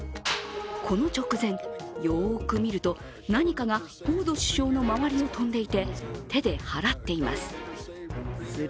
この直前、よく見ると、何かがフォード首相の周りを飛んでいて手で払っています。